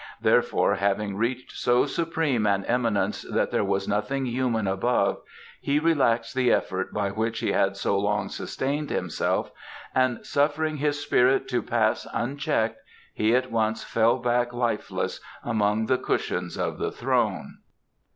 Therefore having reached so supreme an eminence that there was nothing human above, he relaxed the effort by which he had so long sustained himself, and suffering his spirit to pass unchecked, he at once fell back lifeless among the cushions of the throne.